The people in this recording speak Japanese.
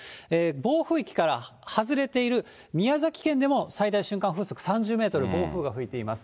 暴風域から外れている宮崎県でも最大瞬間風速３０メートル、暴風が吹いています。